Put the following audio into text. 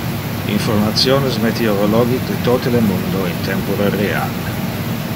Informationes meteorologic de tote le mundo in tempore real.